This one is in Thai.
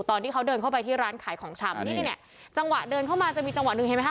ตอนที่เขาเดินเข้าไปที่ร้านขายของชำนี่นี่จังหวะเดินเข้ามาจะมีจังหวะหนึ่งเห็นไหมค